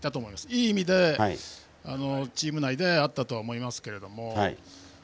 いい意味で、チーム内であったとは思いますが。